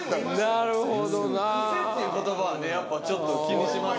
「クセ」っていう言葉はねやっぱちょっと気にしますね。